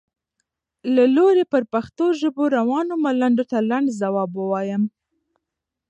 له لوري پر پښتو ژبه روانو ملنډو ته لنډ ځواب ووایم.